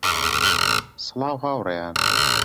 سڵاو هاوڕێیان